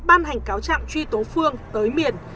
ban hành cáo trạng truy tố phương tới miền